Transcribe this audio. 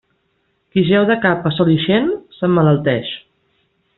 Qui jeu de cap a sol ixent, s'emmalalteix.